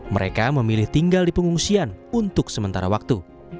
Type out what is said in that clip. mereka memilih tinggal di pengungsian untuk sementara waktu